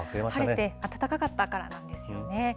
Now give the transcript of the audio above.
晴れて暖かかったからなんですよね。